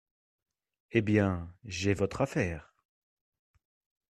Eh bien, j’ai votre affaire…